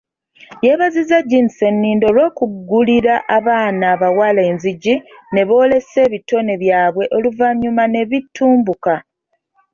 Yeebazizza Jean Sseninde olw'okuggulira abaana abawala enzigi ne boolesa ebitone byabwe oluvannyuma ne bitumbuka.